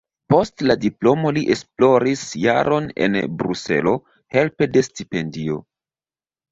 Post la diplomo li esploris jaron en Bruselo helpe de stipendio.